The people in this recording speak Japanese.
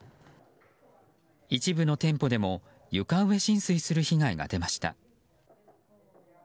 一部の店舗でも床上浸水する被害が出ました。